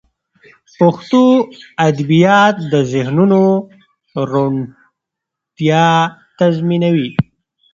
پښتو ادبیات د ذهنونو روڼتیا تضمینوي.